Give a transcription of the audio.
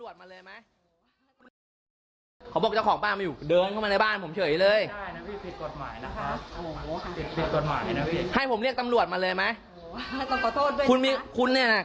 ได้ยังไงนะครับไม่ต้องขอโทษหรอกครับเนี่ย